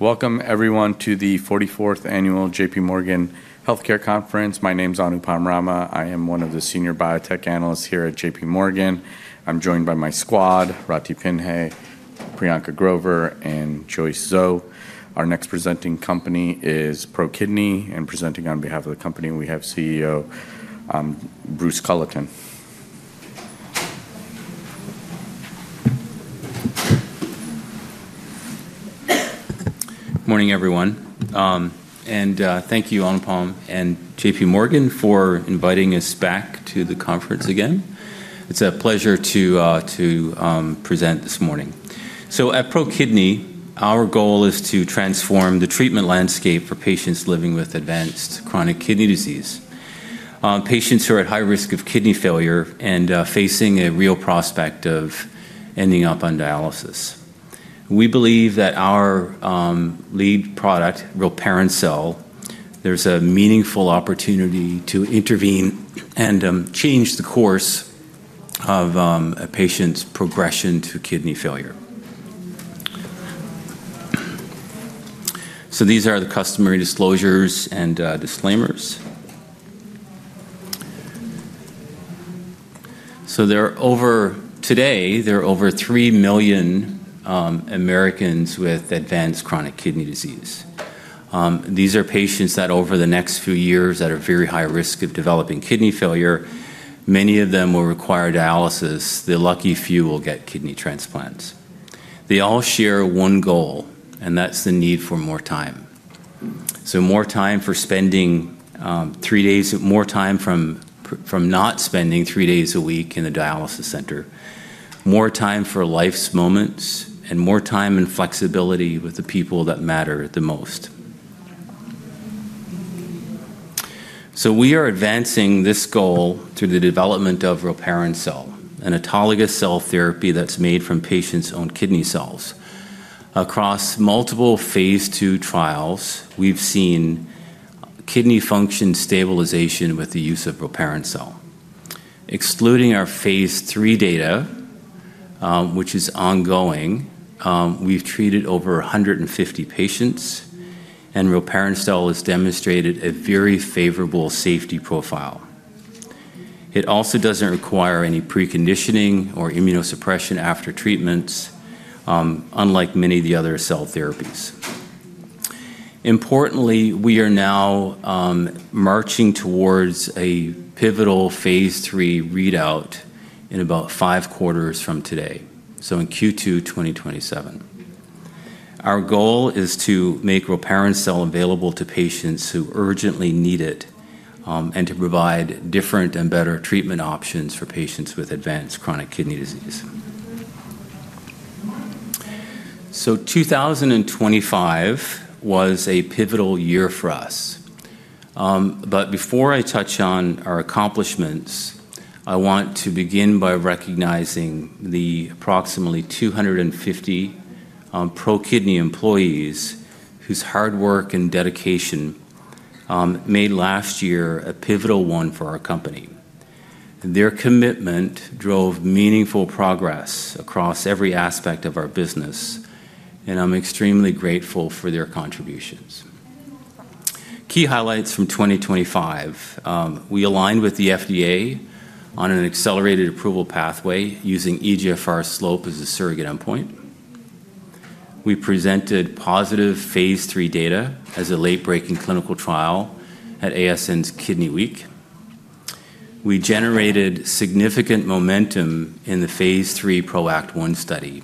Welcome, everyone, to the 44th Annual JPMorgan Healthcare Conference. My name is Anupam Rama. I am one of the Senior Biotech Analysts here at JPMorgan. I'm joined by my squad: Rathi Pinhey, Priyanka Grover, and Joyce Zhou. Our next presenting company is ProKidney, and presenting on behalf of the company, we have CEO Bruce Culleton. Morning, everyone. And thank you, Anupam and JPMorgan, for inviting us back to the conference again. It's a pleasure to present this morning. So at ProKidney, our goal is to transform the treatment landscape for patients living with advanced chronic kidney disease, patients who are at high risk of kidney failure and facing a real prospect of ending up on dialysis. We believe that our lead product, rilparencel, there's a meaningful opportunity to intervene and change the course of a patient's progression to kidney failure. So these are the customary disclosures and disclaimers. So there are over today, there are over three million Americans with advanced chronic kidney disease. These are patients that over the next few years that are at very high risk of developing kidney failure. Many of them will require dialysis. The lucky few will get kidney transplants. They all share one goal, and that's the need for more time, so more time for spending three days, more time from not spending three days a week in the dialysis center, more time for life's moments, and more time and flexibility with the people that matter the most, so we are advancing this goal through the development of rilparencel, an autologous cell therapy that's made from patients' own kidney cells. Across multiple phase II trials, we've seen kidney function stabilization with the use of rilparencel. Excluding our phase III data, which is ongoing, we've treated over 150 patients, and rilparencel has demonstrated a very favorable safety profile. It also doesn't require any preconditioning or immunosuppression after treatments, unlike many of the other cell therapies. Importantly, we are now marching towards a pivotal phase III readout in about five quarters from today, so in Q2 2027. Our goal is to make rilparencel available to patients who urgently need it and to provide different and better treatment options for patients with advanced chronic kidney disease. 2025 was a pivotal year for us. Before I touch on our accomplishments, I want to begin by recognizing the approximately 250 ProKidney employees whose hard work and dedication made last year a pivotal one for our company. Their commitment drove meaningful progress across every aspect of our business, and I'm extremely grateful for their contributions. Key highlights from 2025: we aligned with the FDA on an accelerated approval pathway using eGFR slope as a surrogate endpoint. We presented positive phase III data as a late-breaking clinical trial at ASN's Kidney Week. We generated significant momentum in the phase III PROACT 1 study.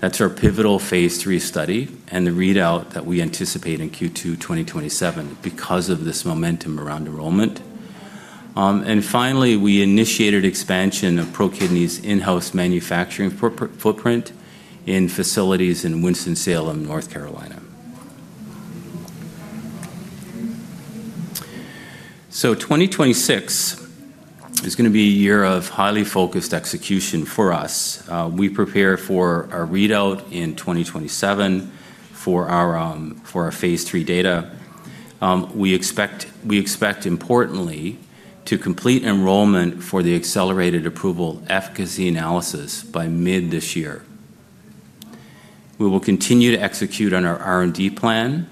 That's our pivotal phase III study and the readout that we anticipate in Q2 2027 because of this momentum around enrollment, and finally, we initiated expansion of ProKidney's in-house manufacturing footprint in facilities in Winston-Salem, North Carolina, so 2026 is going to be a year of highly focused execution for us. We prepare for our readout in 2027 for our phase III data. We expect, importantly, to complete enrollment for the accelerated approval efficacy analysis by mid this year. We will continue to execute on our R&D plan.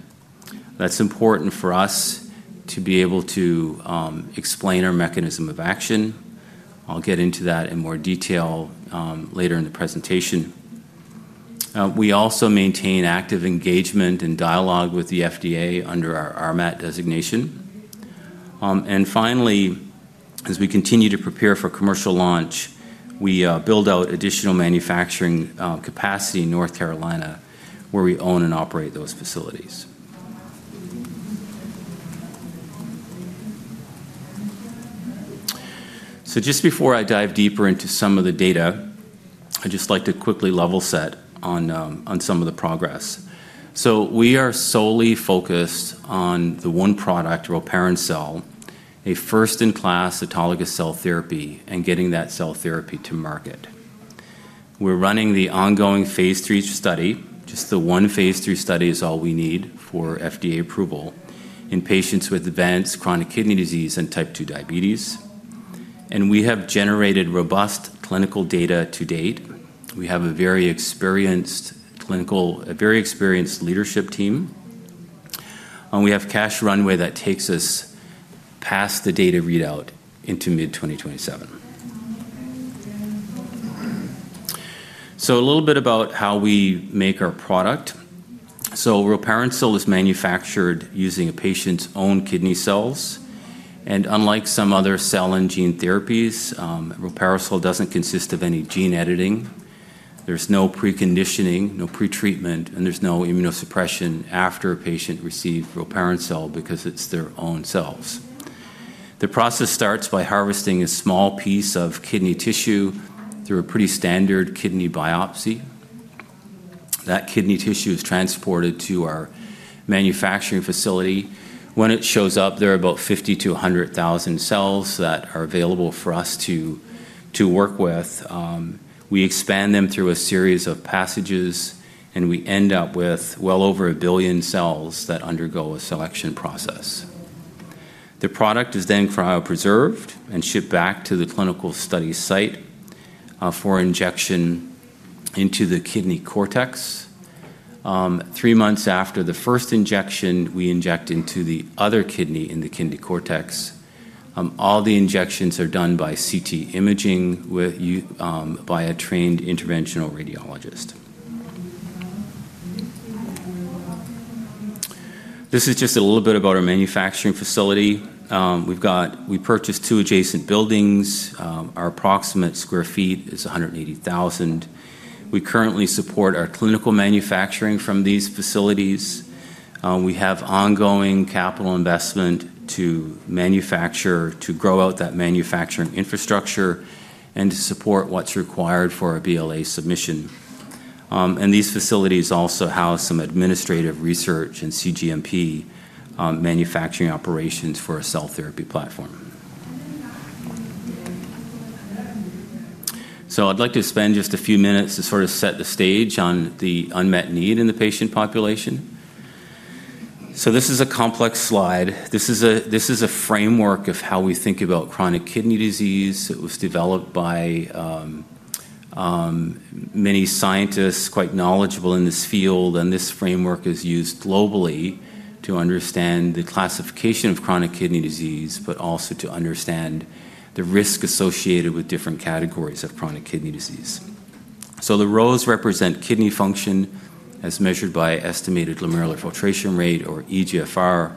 That's important for us to be able to explain our mechanism of action. I'll get into that in more detail later in the presentation. We also maintain active engagement and dialogue with the FDA under our RMAT designation. Finally, as we continue to prepare for commercial launch, we build out additional manufacturing capacity in North Carolina where we own and operate those facilities. Just before I dive deeper into some of the data, I'd just like to quickly level set on some of the progress. We are solely focused on the one product, rilparencel, a first-in-class autologous cell therapy and getting that cell therapy to market. We're running the ongoing phase III study. Just the one phase III study is all we need for FDA approval in patients with advanced chronic kidney disease and type 2 diabetes. We have generated robust clinical data to date. We have a very experienced leadership team. We have cash runway that takes us past the data readout into mid-2027. A little bit about how we make our product. Rilparencel is manufactured using a patient's own kidney cells. Unlike some other cell and gene therapies, rilparencel doesn't consist of any gene editing. There's no preconditioning, no pretreatment, and there's no immunosuppression after a patient receives rilparencel because it's their own cells. The process starts by harvesting a small piece of kidney tissue through a pretty standard kidney biopsy. That kidney tissue is transported to our manufacturing facility. When it shows up, there are about 50,000-100,000 cells that are available for us to work with. We expand them through a series of passages, and we end up with well over a billion cells that undergo a selection process. The product is then cryopreserved and shipped back to the clinical study site for injection into the kidney cortex. Three months after the first injection, we inject into the other kidney in the kidney cortex. All the injections are done by CT imaging by a trained interventional radiologist. This is just a little bit about our manufacturing facility. We purchased two adjacent buildings. Our approximate sq ft is 180,000. We currently support our clinical manufacturing from these facilities. We have ongoing capital investment to manufacture, to grow out that manufacturing infrastructure, and to support what's required for a BLA submission. And these facilities also house some administrative research and CGMP manufacturing operations for a cell therapy platform. So I'd like to spend just a few minutes to sort of set the stage on the unmet need in the patient population. So this is a complex slide. This is a framework of how we think about chronic kidney disease. It was developed by many scientists quite knowledgeable in this field, and this framework is used globally to understand the classification of chronic kidney disease, but also to understand the risk associated with different categories of chronic kidney disease, so the rows represent kidney function as measured by estimated glomerular filtration rate, or eGFR.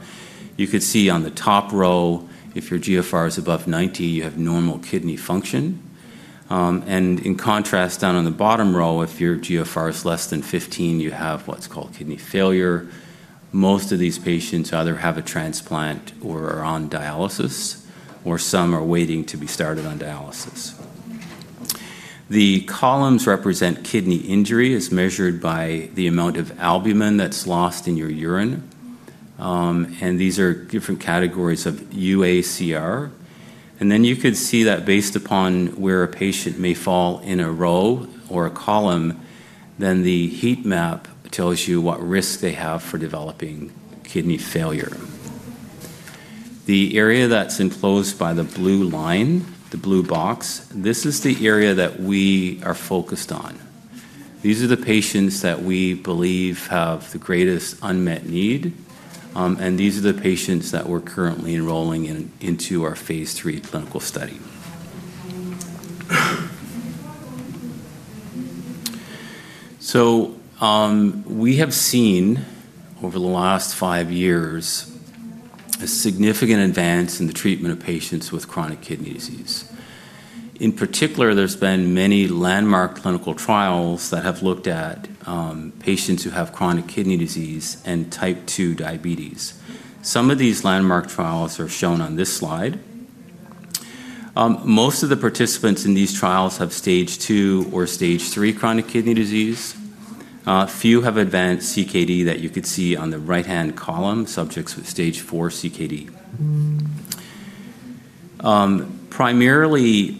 You could see on the top row, if your GFR is above 90, you have normal kidney function, and in contrast, down on the bottom row, if your GFR is less than 15, you have what's called kidney failure. Most of these patients either have a transplant or are on dialysis, or some are waiting to be started on dialysis. The columns represent kidney injury as measured by the amount of albumin that's lost in your urine, and these are different categories of UACR. And then you could see that based upon where a patient may fall in a row or a column, then the heat map tells you what risk they have for developing kidney failure. The area that's enclosed by the blue line, the blue box, this is the area that we are focused on. These are the patients that we believe have the greatest unmet need, and these are the patients that we're currently enrolling into our phase III clinical study. So we have seen over the last five years a significant advance in the treatment of patients with chronic kidney disease. In particular, there's been many landmark clinical trials that have looked at patients who have chronic kidney disease and type 2 diabetes. Some of these landmark trials are shown on this slide. Most of the participants in these trials have stage II or stage III chronic kidney disease. Few have advanced CKD that you could see on the right-hand column, subjects with stage IV CKD. Primarily,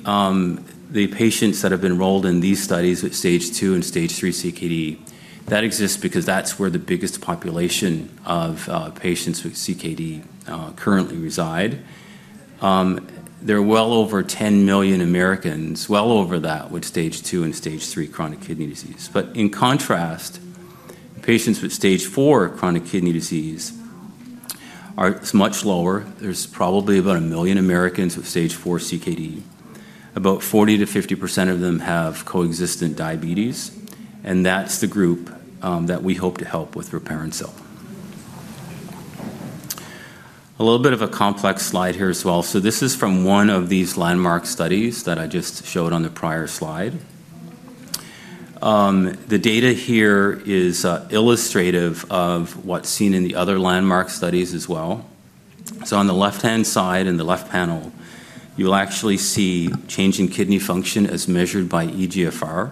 the patients that have enrolled in these studies with stage two and stage III CKD, that exists because that's where the biggest population of patients with CKD currently reside. There are well over 10 million Americans, well over that, with stage II and stage III chronic kidney disease. But in contrast, patients with stage IV chronic kidney disease are much lower. There's probably about a million Americans with stage IV CKD. About 40%-50% of them have coexistent diabetes, and that's the group that we hope to help with rilparencel. A little bit of a complex slide here as well, so this is from one of these landmark studies that I just showed on the prior slide. The data here is illustrative of what's seen in the other landmark studies as well, so on the left-hand side in the left panel, you'll actually see change in kidney function as measured by eGFR.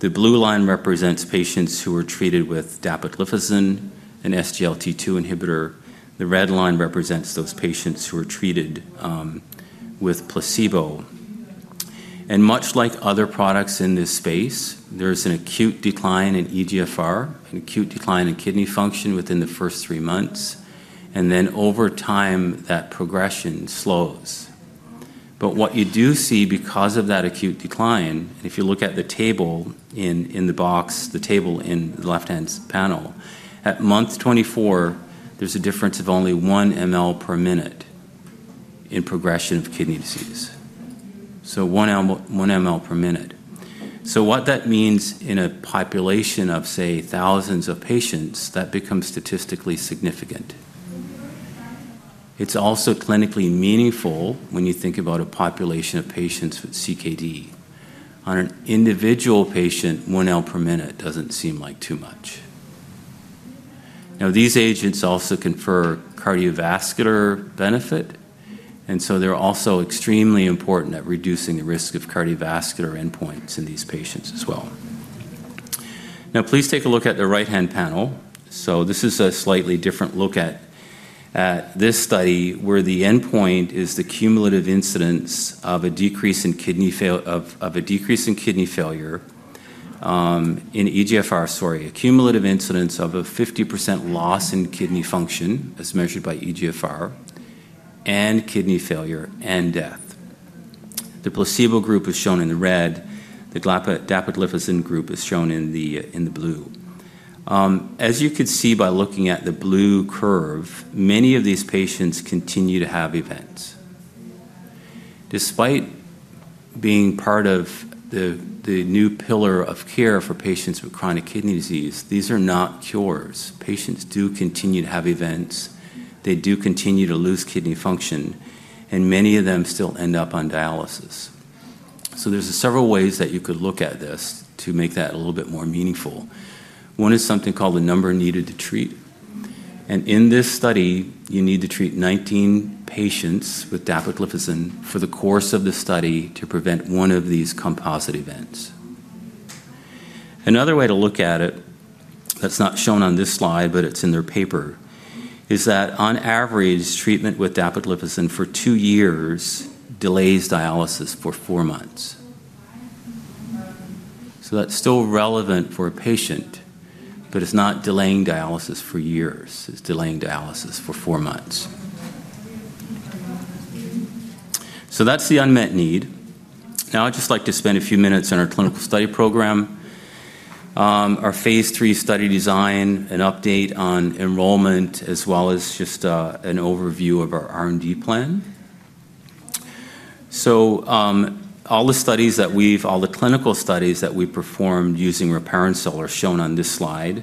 The blue line represents patients who are treated with dapagliflozin, an SGLT2 inhibitor. The red line represents those patients who are treated with placebo, and much like other products in this space, there is an acute decline in eGFR, an acute decline in kidney function within the first three months, and then over time, that progression slows, but what you do see because of that acute decline, and if you look at the table in the box, the table in the left-hand panel, at month 24, there's a difference of only 1 ml per minute in progression of kidney disease, so 1 ml per minute. So what that means in a population of, say, thousands of patients, that becomes statistically significant. It's also clinically meaningful when you think about a population of patients with CKD. On an individual patient, 1 ml per minute doesn't seem like too much. Now, these agents also confer cardiovascular benefit, and so they're also extremely important at reducing the risk of cardiovascular endpoints in these patients as well. Now, please take a look at the right-hand panel. So this is a slightly different look at this study where the endpoint is the cumulative incidence of a decrease in kidney failure in eGFR, sorry, a cumulative incidence of a 50% loss in kidney function as measured by eGFR and kidney failure and death. The placebo group is shown in the red. The dapagliflozin group is shown in the blue. As you could see by looking at the blue curve, many of these patients continue to have events. Despite being part of the new pillar of care for patients with chronic kidney disease, these are not cures. Patients do continue to have events. They do continue to lose kidney function, and many of them still end up on dialysis. So there's several ways that you could look at this to make that a little bit more meaningful. One is something called the number needed to treat. And in this study, you need to treat 19 patients with dapagliflozin for the course of the study to prevent one of these composite events. Another way to look at it, that's not shown on this slide, but it's in their paper, is that on average, treatment with dapagliflozin for two years delays dialysis for four months. That's still relevant for a patient, but it's not delaying dialysis for years. It's delaying dialysis for four months. That's the unmet need. Now, I'd just like to spend a few minutes on our clinical study program, our phase III study design, an update on enrollment, as well as just an overview of our R&D plan. All the clinical studies that we performed using rilparencel are shown on this slide.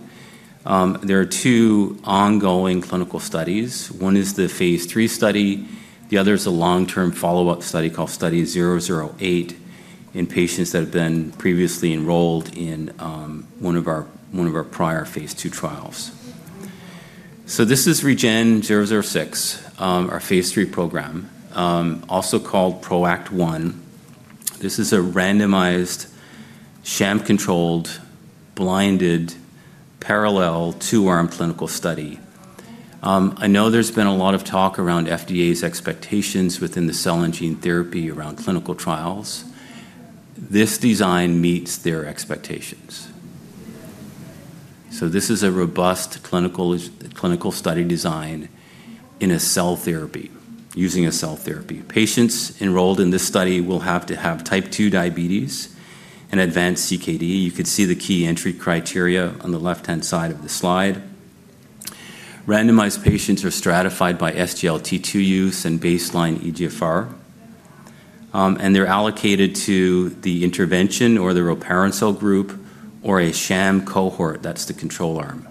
There are two ongoing clinical studies. One is the phase III study. The other is a long-term follow-up study called Study 008 in patients that have been previously enrolled in one of our prior phase II trials. This is REGEN-006, our phase III program, also called PROACT 1. This is a randomized, sham-controlled, blinded, parallel two-arm clinical study. I know there's been a lot of talk around FDA's expectations within the cell and gene therapy around clinical trials. This design meets their expectations. So this is a robust clinical study design in a cell therapy, using a cell therapy. Patients enrolled in this study will have to have type 2 diabetes and advanced CKD. You could see the key entry criteria on the left-hand side of the slide. Randomized patients are stratified by SGLT2 use and baseline eGFR, and they're allocated to the intervention or the rilparencel group or a sham cohort. That's the control arm.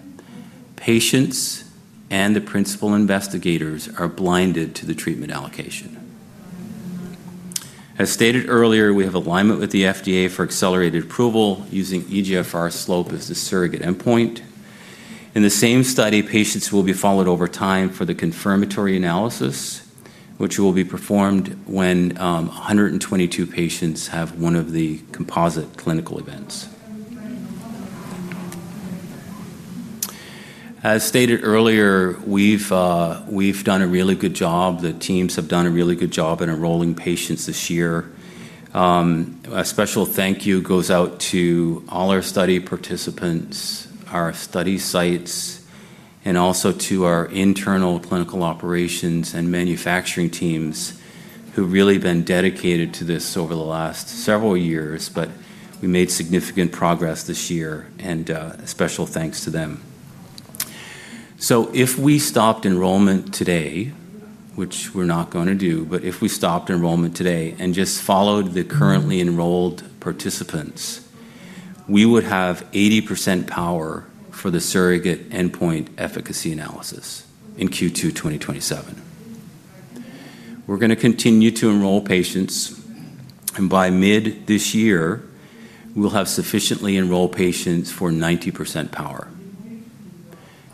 Patients and the principal investigators are blinded to the treatment allocation. As stated earlier, we have alignment with the FDA for accelerated approval using eGFR slope as the surrogate endpoint. In the same study, patients will be followed over time for the confirmatory analysis, which will be performed when 122 patients have one of the composite clinical events. As stated earlier, we've done a really good job. The teams have done a really good job in enrolling patients this year. A special thank you goes out to all our study participants, our study sites, and also to our internal clinical operations and manufacturing teams who've really been dedicated to this over the last several years, but we made significant progress this year, and a special thanks to them. So if we stopped enrollment today, which we're not going to do, but if we stopped enrollment today and just followed the currently enrolled participants, we would have 80% power for the surrogate endpoint efficacy analysis in Q2 2027. We're going to continue to enroll patients, and by mid this year, we'll have sufficiently enrolled patients for 90% power.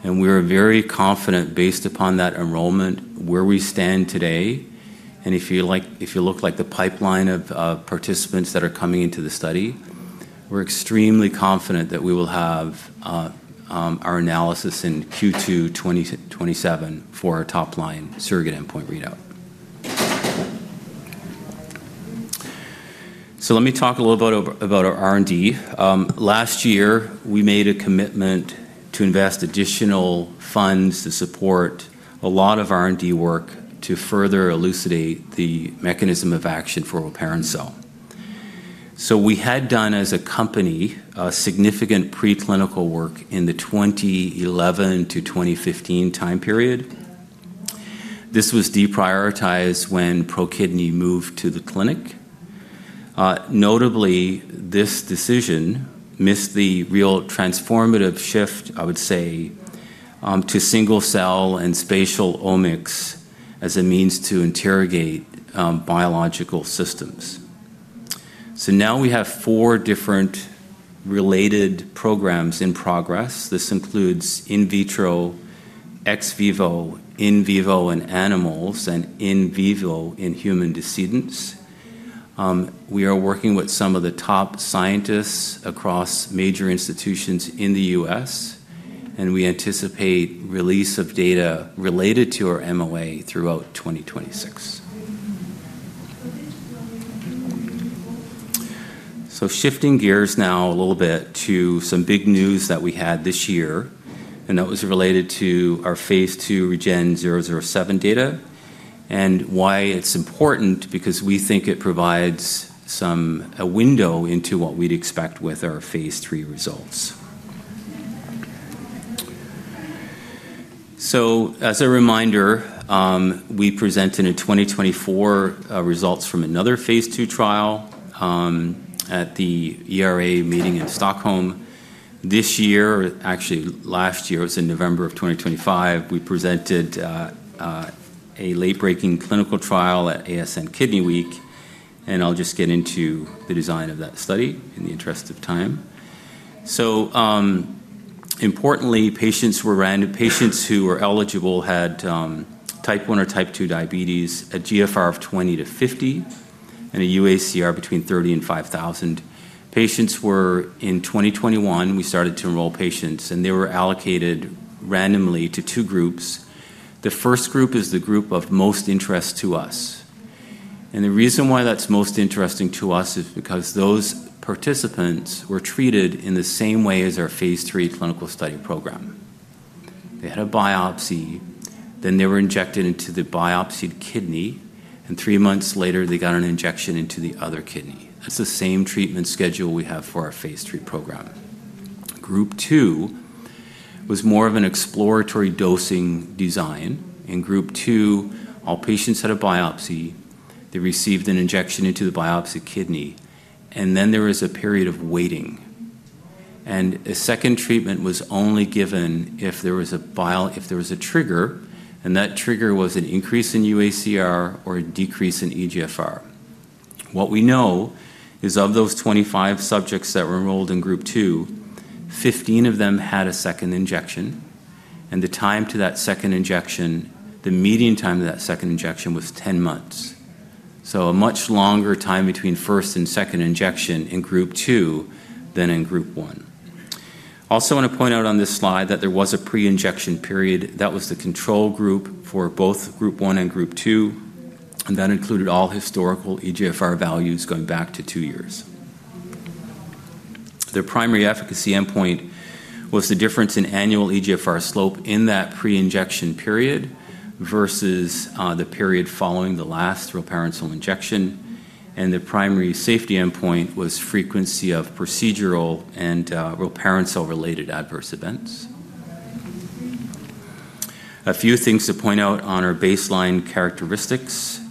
And we're very confident based upon that enrollment where we stand today. And if you look at the pipeline of participants that are coming into the study, we're extremely confident that we will have our analysis in Q2 2027 for our top-line surrogate endpoint readout. So let me talk a little bit about our R&D. Last year, we made a commitment to invest additional funds to support a lot of R&D work to further elucidate the mechanism of action for rilparencel. So we had done, as a company, significant preclinical work in the 2011 to 2015 time period. This was deprioritized when ProKidney moved to the clinic. Notably, this decision missed the real transformative shift, I would say, to single-cell and spatial omics as a means to interrogate biological systems. So now we have four different related programs in progress. This includes in vitro, ex vivo, in vivo, in animals, and in vivo in human decedents. We are working with some of the top scientists across major institutions in the U.S., and we anticipate release of data related to our MOA throughout 2026. So shifting gears now a little bit to some big news that we had this year, and that was related to our phase II REGEN-007 data and why it's important because we think it provides a window into what we'd expect with our phase III results. So as a reminder, we presented in 2024 results from another phase II trial at the ERA meeting in Stockholm. This year, actually last year, it was in November of 2025, we presented a late-breaking clinical trial at ASN Kidney Week, and I'll just get into the design of that study in the interest of time, so importantly, patients who were eligible had type 1 or type 2 diabetes at GFR of 20-50 and a UACR between 30 and 5,000. Patients were in 2021, we started to enroll patients, and they were allocated randomly to two groups. The first group is the group of most interest to us, and the reason why that's most interesting to us is because those participants were treated in the same way as our phase III clinical study program. They had a biopsy, then they were injected into the biopsied kidney, and three months later, they got an injection into the other kidney. That's the same treatment schedule we have for our phase III program. Group two was more of an exploratory dosing design. In group two, all patients had a biopsy. They received an injection into the biopsied kidney, and then there was a period of waiting, and a second treatment was only given if there was a trigger, and that trigger was an increase in UACR or a decrease in eGFR. What we know is of those 25 subjects that were enrolled in group two, 15 of them had a second injection, and the time to that second injection, the median time to that second injection was 10 months, so a much longer time between first and second injection in group two than in group one. Also want to point out on this slide that there was a pre-injection period. That was the control group for both group one and group two, and that included all historical eGFR values going back to two years. Their primary efficacy endpoint was the difference in annual eGFR slope in that pre-injection period versus the period following the last rilparencel injection, and the primary safety endpoint was frequency of procedural and rilparencel-related adverse events. A few things to point out on our baseline characteristics.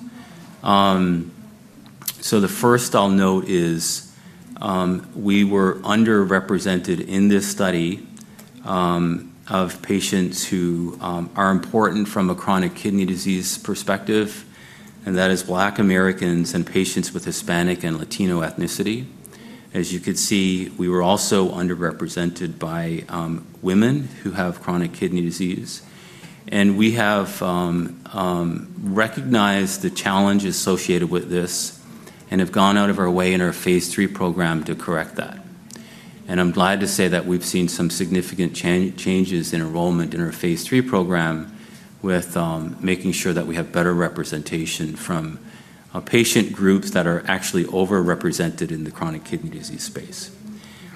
So the first I'll note is we were underrepresented in this study of patients who are important from a chronic kidney disease perspective, and that is Black Americans and patients with Hispanic and Latino ethnicity. As you could see, we were also underrepresented by women who have chronic kidney disease, and we have recognized the challenge associated with this and have gone out of our way in our phase III program to correct that. I'm glad to say that we've seen some significant changes in enrollment in our phase III program with making sure that we have better representation from patient groups that are actually overrepresented in the chronic kidney disease space.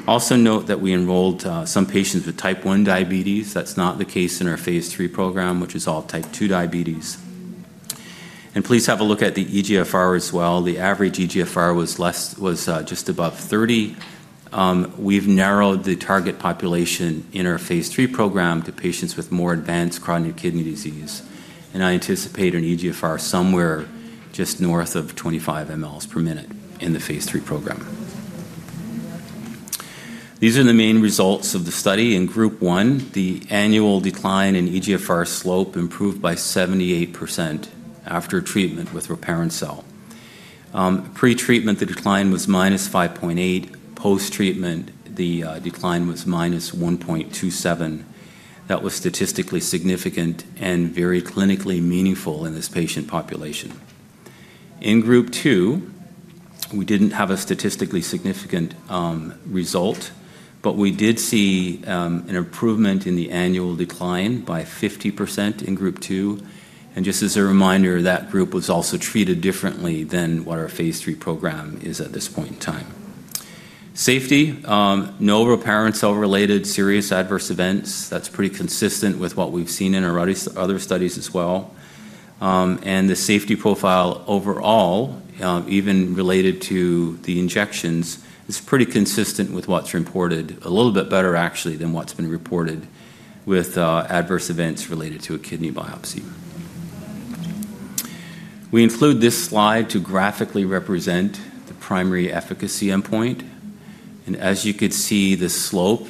Also note that we enrolled some patients with type 1 diabetes. That's not the case in our phase III program, which is all type 2 diabetes. And please have a look at the eGFR as well. The average eGFR was just above 30. We've narrowed the target population in our phase III program to patients with more advanced chronic kidney disease, and I anticipate an eGFR somewhere just north of 25 ml per minute in the phase III program. These are the main results of the study. In group one, the annual decline in eGFR slope improved by 78% after treatment with rilparencel. Pre-treatment, the decline was -5.8. Post-treatment, the decline was -1.27. That was statistically significant and very clinically meaningful in this patient population. In group two, we didn't have a statistically significant result, but we did see an improvement in the annual decline by 50% in group two. Just as a reminder, that group was also treated differently than what our phase III program is at this point in time. Safety, no rilparencel-related serious adverse events. That's pretty consistent with what we've seen in our other studies as well. The safety profile overall, even related to the injections, is pretty consistent with what's reported, a little bit better actually than what's been reported with adverse events related to a kidney biopsy. We include this slide to graphically represent the primary efficacy endpoint. And as you could see the slope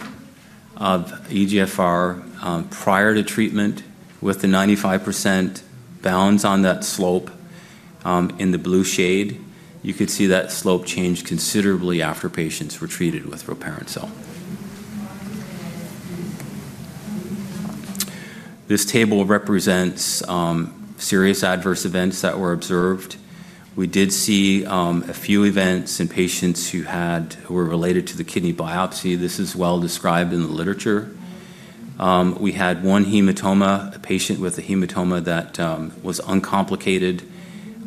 of eGFR prior to treatment with the 95% bounds on that slope in the blue shade, you could see that slope changed considerably after patients were treated with rilparencel. This table represents serious adverse events that were observed. We did see a few events in patients who were related to the kidney biopsy. This is well described in the literature. We had one hematoma, a patient with a hematoma that was uncomplicated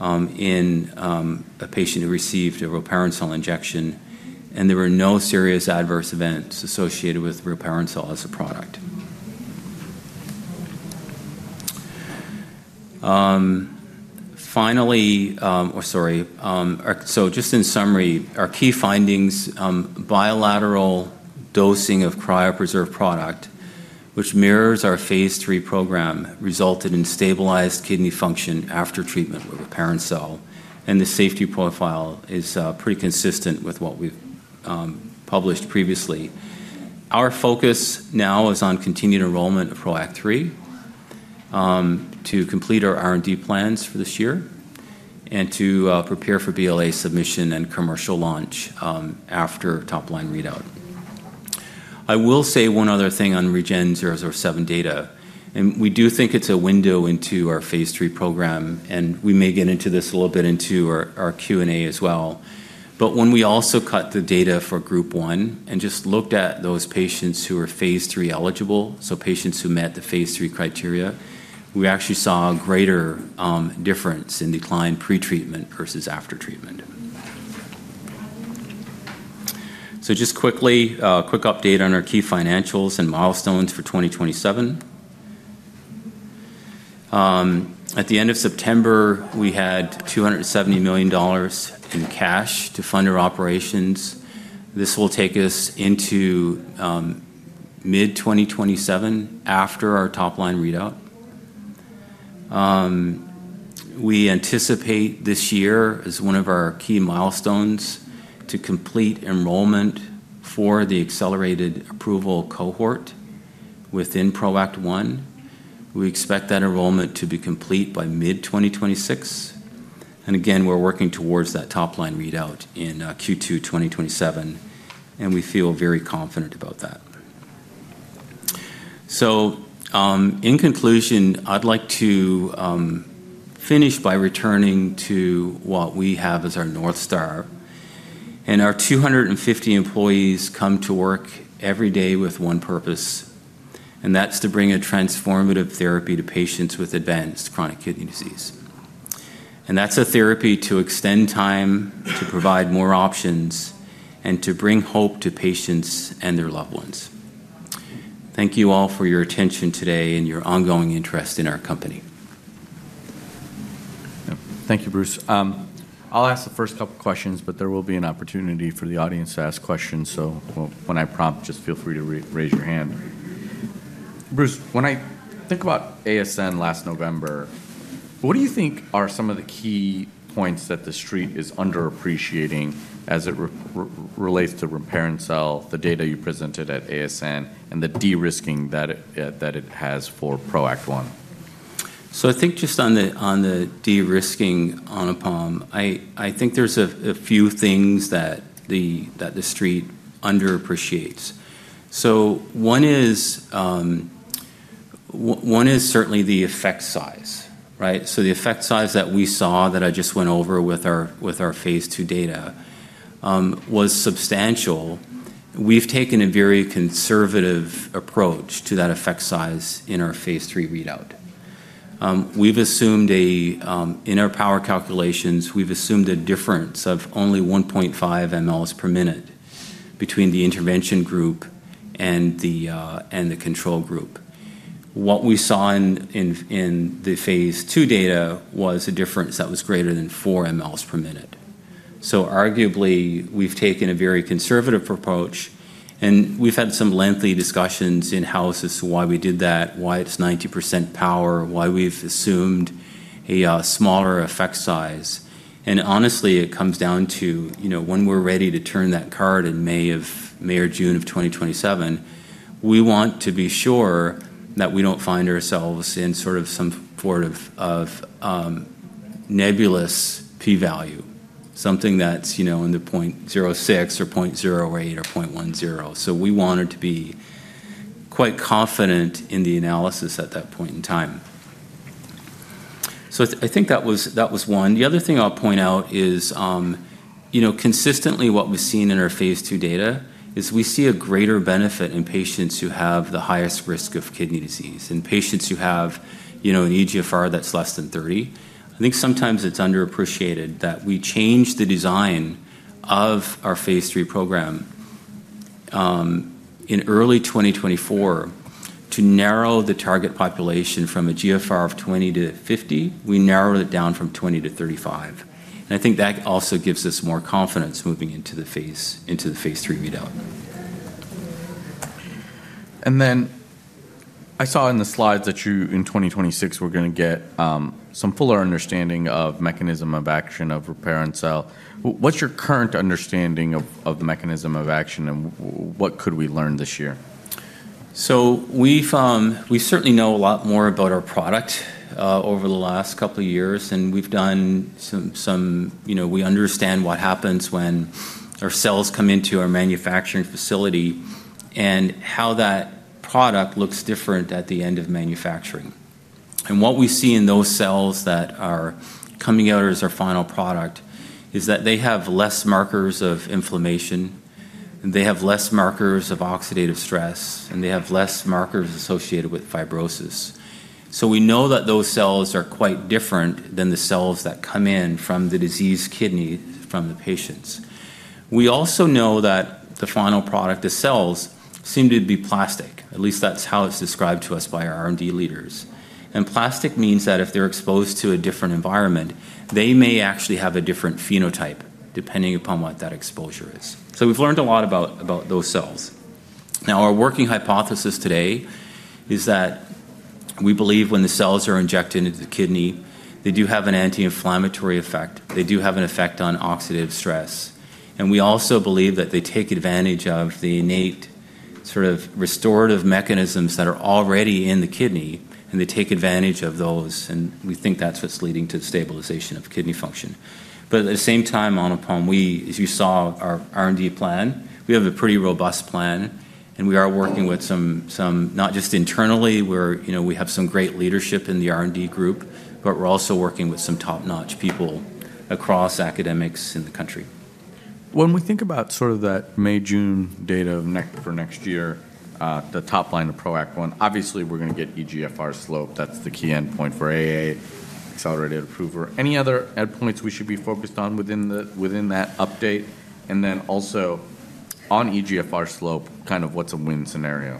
in a patient who received a rilparencel injection, and there were no serious adverse events associated with rilparencel as a product. Finally, or sorry, so just in summary, our key findings, bilateral dosing of cryopreserved product, which mirrors our phase III program, resulted in stabilized kidney function after treatment with rilparencel, and the safety profile is pretty consistent with what we've published previously. Our focus now is on continued enrollment of PROACT 3 to complete our R&D plans for this year and to prepare for BLA submission and commercial launch after top-line readout. I will say one other thing on REGEN-007 data, and we do think it's a window into our phase III program, and we may get into this a little bit into our Q&A as well, but when we also cut the data for group one and just looked at those patients who are phase III eligible, so patients who met the phase III criteria, we actually saw a greater difference in decline pre-treatment versus after treatment. So just quickly, a quick update on our key financials and milestones for 2027. At the end of September, we had $270 million in cash to fund our operations. This will take us into mid-2027 after our top-line readout. We anticipate this year as one of our key milestones to complete enrollment for the accelerated approval cohort within PROACT 1. We expect that enrollment to be complete by mid-2026. And again, we're working towards that top-line readout in Q2 2027, and we feel very confident about that. So in conclusion, I'd like to finish by returning to what we have as our North Star. And our 250 employees come to work every day with one purpose, and that's to bring a transformative therapy to patients with advanced chronic kidney disease. And that's a therapy to extend time, to provide more options, and to bring hope to patients and their loved ones. Thank you all for your attention today and your ongoing interest in our company. Thank you, Bruce. I'll ask the first couple of questions, but there will be an opportunity for the audience to ask questions, so when I prompt, just feel free to raise your hand. Bruce, when I think about ASN last November, what do you think are some of the key points that the street is underappreciating as it relates to rilparencel, the data you presented at ASN, and the de-risking that it has for PROACT 1? So I think just on the de-risking on balance, I think there's a few things that the street underappreciates. So one is certainly the effect size, right? So the effect size that we saw that I just went over with our phase II data was substantial. We've taken a very conservative approach to that effect size in our phase III readout. We've assumed in our power calculations, we've assumed a difference of only 1.5 ml per minute between the intervention group and the control group. What we saw in the phase II data was a difference that was greater than 4 ml per minute, so arguably, we've taken a very conservative approach, and we've had some lengthy discussions in-house why we did that, why it's 90% power, why we've assumed a smaller effect size, and honestly, it comes down to when we're ready to turn that card in May or June of 2027, we want to be sure that we don't find ourselves in sort of some sort of nebulous p-value, something that's in the 0.06 or 0.08 or 0.10, so we wanted to be quite confident in the analysis at that point in time, so I think that was one. The other thing I'll point out is consistently what we've seen in our phase II data is we see a greater benefit in patients who have the highest risk of kidney disease and patients who have an eGFR that's less than 30. I think sometimes it's underappreciated that we changed the design of our phase III program in early 2024 to narrow the target population from a GFR of 20 to 50. We narrowed it down from 20 to 35, and I think that also gives us more confidence moving into the phase III readout. Then I saw in the slides that you in 2026 were going to get some fuller understanding of mechanism of action of rilparencel. What's your current understanding of the mechanism of action, and what could we learn this year? So we certainly know a lot more about our product over the last couple of years, and we've done some. We understand what happens when our cells come into our manufacturing facility and how that product looks different at the end of manufacturing. And what we see in those cells that are coming out as our final product is that they have less markers of inflammation, and they have less markers of oxidative stress, and they have less markers associated with fibrosis. So we know that those cells are quite different than the cells that come in from the diseased kidney from the patients. We also know that the final product of cells seem to be plastic. At least that's how it's described to us by our R&D leaders. And plastic means that if they're exposed to a different environment, they may actually have a different phenotype depending upon what that exposure is. So we've learned a lot about those cells. Now, our working hypothesis today is that we believe when the cells are injected into the kidney, they do have an anti-inflammatory effect. They do have an effect on oxidative stress. And we also believe that they take advantage of the innate sort of restorative mechanisms that are already in the kidney, and they take advantage of those, and we think that's what's leading to the stabilization of kidney function. But at the same time, Anupam, as you saw our R&D plan, we have a pretty robust plan, and we are working with some not just internally, where we have some great leadership in the R&D group, but we're also working with some top-notch people across academia in the country. When we think about sort of that May, June data for next year, the top line of PROACT 1, obviously we're going to get eGFR slope. That's the key endpoint for FDA Accelerated Approval. Any other endpoints we should be focused on within that update? And then also on eGFR slope, kind of what's a win scenario?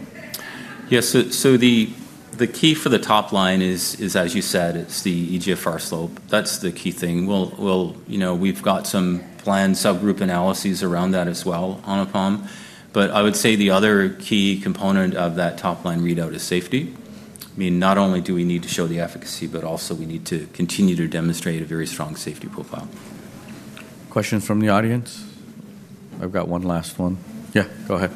Yes. So the key for the top line is, as you said, it's the eGFR slope. That's the key thing. We've got some planned subgroup analyses around that as well on Anupam, but I would say the other key component of that top-line readout is safety. I mean, not only do we need to show the efficacy, but also we need to continue to demonstrate a very strong safety profile. Questions from the audience? I've got one last one. Yeah, go ahead.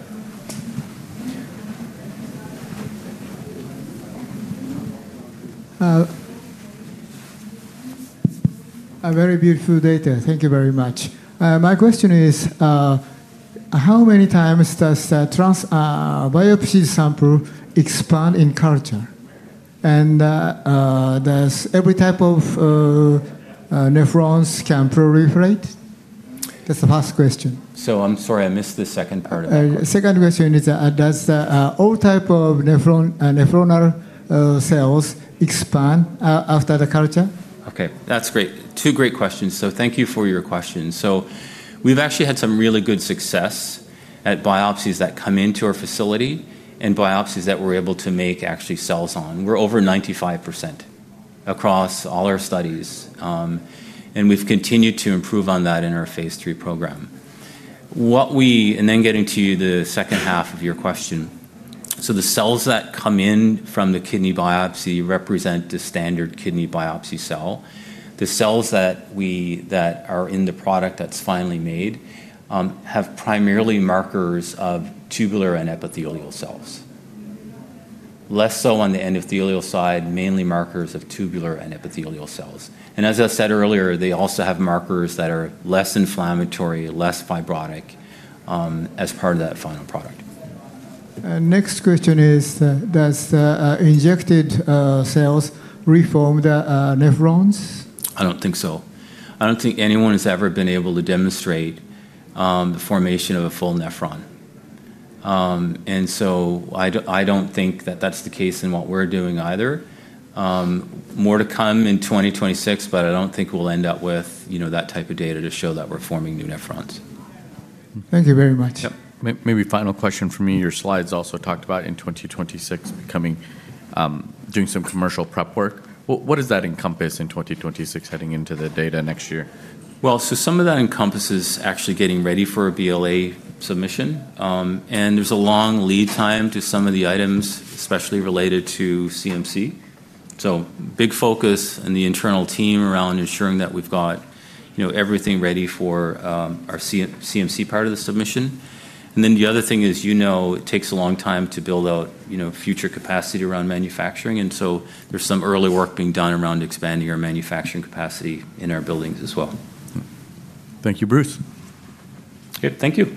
Very beautiful data. Thank you very much. My question is, how many times does the biopsy sample expand in culture? And does every type of nephrons can proliferate? That's the last question. So I'm sorry, I missed the second part of that. Second question is, does all type of nephron cells expand after the culture? Okay. That's great. Two great questions. So thank you for your questions. We've actually had some really good success at biopsies that come into our facility and biopsies that we're able to make actually cells on. We're over 95% across all our studies, and we've continued to improve on that in our phase III program. Then getting to the second half of your question, so the cells that come in from the kidney biopsy represent the standard kidney biopsy cell. The cells that are in the product that's finally made have primarily markers of tubular and epithelial cells. Less so on the endothelial side, mainly markers of tubular and epithelial cells. As I said earlier, they also have markers that are less inflammatory, less fibrotic as part of that final product. Next question is, does the injected cells reform the nephrons? I don't think so. I don't think anyone has ever been able to demonstrate the formation of a full nephron, and so I don't think that that's the case in what we're doing either. More to come in 2026, but I don't think we'll end up with that type of data to show that we're forming new nephrons. Thank you very much. Maybe final question for me. Your slides also talked about, in 2026, doing some commercial prep work. What does that encompass in 2026 heading into the data next year? Well, so some of that encompasses actually getting ready for a BLA submission, and there's a long lead time to some of the items, especially related to CMC, so big focus in the internal team around ensuring that we've got everything ready for our CMC part of the submission. And then the other thing is, it takes a long time to build out future capacity around manufacturing, and so there's some early work being done around expanding our manufacturing capacity in our buildings as well. Thank you, Bruce. Okay. Thank you.